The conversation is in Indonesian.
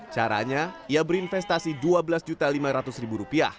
caranya ia berinvestasi dua belas lima ratus rupiah